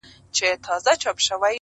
خدايه ته لوی يې.